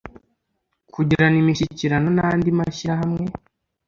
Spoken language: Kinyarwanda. Kugirana imishyikirano n andi mashyirahamwe